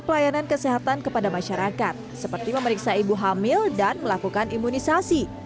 pelayanan kesehatan kepada masyarakat seperti memeriksa ibu hamil dan melakukan imunisasi